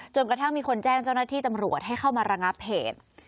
กระทั่งมีคนแจ้งเจ้าหน้าที่ตำรวจให้เข้ามาระงับเหตุ